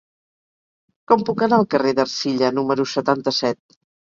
Com puc anar al carrer d'Ercilla número setanta-set?